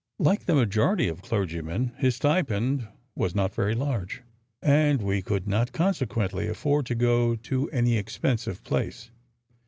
Like the majority of clergymen, his stipend was not very large and we could not, consequently, afford to go to any expensive place.